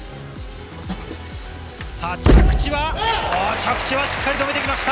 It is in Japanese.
着地はしっかり止めてきました。